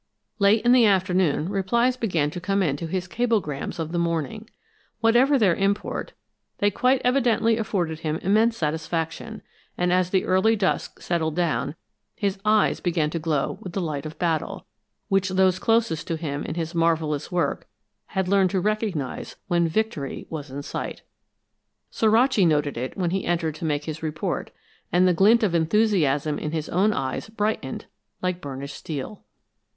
Late in the afternoon replies began to come in to his cablegrams of the morning. Whatever their import, they quite evidently afforded him immense satisfaction, and as the early dusk settled down, his eyes began to glow with the light of battle, which those closest to him in his marvelous work had learned to recognize when victory was in sight. Suraci noted it when he entered to make his report, and the glint of enthusiasm in his own eyes brightened like burnished steel.